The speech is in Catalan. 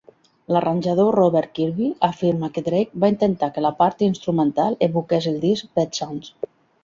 L'arranjador Robert Kirby afirma que Drake va intentar que la part instrumental evoqués el disc "Pet Sounds".